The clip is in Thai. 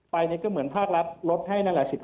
ไปก็เหมือนภาครัฐลดให้๑๕